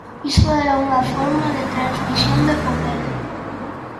Iso era unha forma de transmisión de poder.